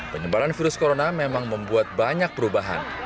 penyebaran virus corona memang membuat banyak perubahan